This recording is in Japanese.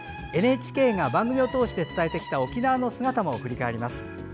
ＮＨＫが番組を通して伝えてきた沖縄の姿も振り返ります。